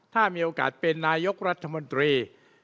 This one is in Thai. ถ้ามีโอกาสเป็นนายกรัฐมนตรี